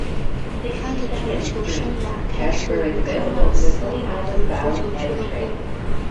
他的足球生涯开始于康纳斯码头足球俱乐部。